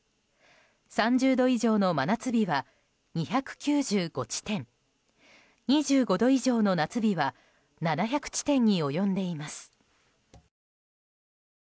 ３０度以上の真夏日は２９５地点２５度以上の夏日は７００地点に及んでいます。